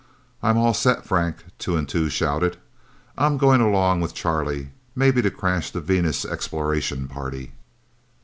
"I'm all set, Frank!" Two and Two shouted. "I'm going along with Charlie, maybe to crash the Venus exploration party!"